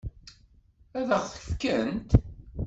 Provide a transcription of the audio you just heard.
Ad ɣ-t-fkent?